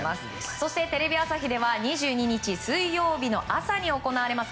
そしてテレビ朝日では２２日水曜日の朝に行われます